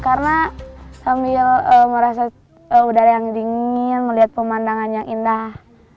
karena sambil merasa udara yang dingin melihat pemandangan yang indah